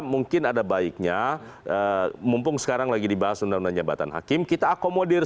mungkin ada baiknya mumpung sekarang lagi dibahas undang undang jabatan hakim kita akomodir